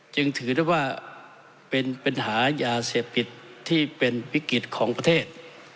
จึงถือได้ว่าเป็นปัญหายาเสพติดที่เป็นวิกฤตของประเทศ